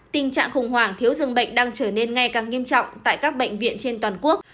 tình trạng khủng hoảng thiếu dường bệnh đang trở nên ngay càng nghiêm trọng tại các bệnh viện trên toàn quốc